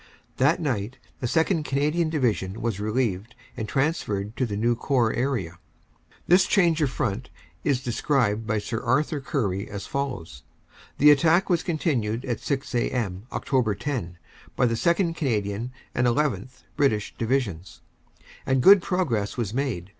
That night the 2nd. Canadian Division was relieved and transferred to the new Corps area. This change of front is described by Sir Arthur Currie as follows: "The attack was continued at 6 a.m., Oct. 10, by the 2nd. Canadian and llth. (British) Divisions, and good progress was made.